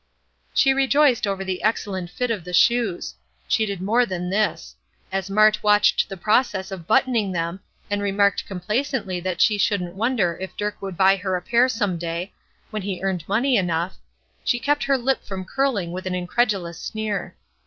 She rejoiced over the excellent fit of the shoes. She did more than this. As Mart watched the process of buttoning them, and remarked complacently that she shouldn't wonder if Dirk would buy her a pair some day, when he earned money enough, she kept her lip from curling with an incredulous sneer.